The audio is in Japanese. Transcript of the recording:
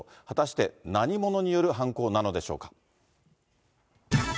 果たして、何者による犯行なのでしょうか。